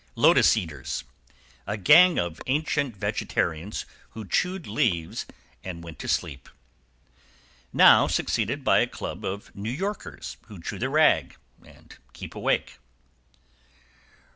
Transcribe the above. =LOTUS EATERS. A gang of ancient vegetarians, who chewed leaves and went to sleep. =Now succeeded by a club of New Yorkers, who chew the rag and keep awake.